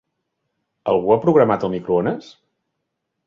Algú ha programat el microones?